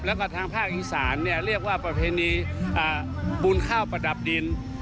และประธานภาคอีสานยนต์เรียกว่าประเพณีบุญเว้าประดับดิน